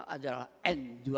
adalah airbus a tiga ratus